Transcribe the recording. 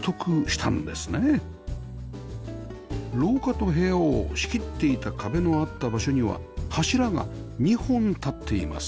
廊下と部屋を仕切っていた壁のあった場所には柱が２本立っています